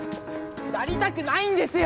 やりたくないんですよ！